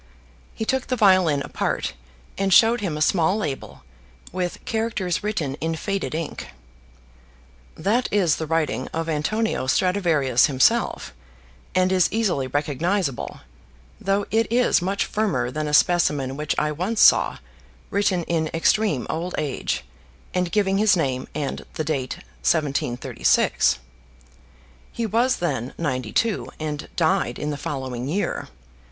He took the violin apart and showed him a small label with characters written in faded ink. "That is the writing of Antonio Stradivarius himself, and is easily recognisable, though it is much firmer than a specimen which I once saw, written in extreme old age, and giving his name and the date 1736. He was then ninety two, and died in the following year.